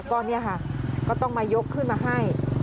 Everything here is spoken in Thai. ก็เนี่ยค่ะก็ต้องมายกขึ้นมาให้